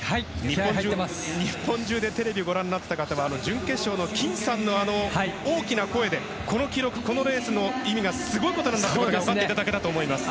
日本中でテレビをご覧になっていた方は、準決勝の金さんの大きな声でこの記録、このレースの意味がすごいことになると分かっていただいたと思います。